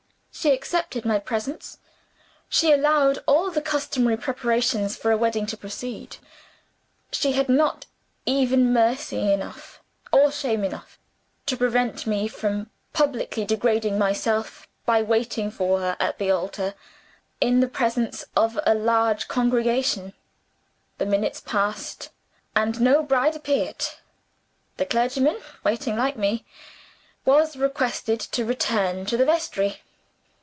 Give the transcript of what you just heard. She accepted my presents; she allowed all the customary preparations for a wedding to proceed to completion; she had not even mercy enough, or shame enough, to prevent me from publicly degrading myself by waiting for her at the altar, in the presence of a large congregation. The minutes passed and no bride appeared. The clergyman, waiting like me, was requested to return to the vestry.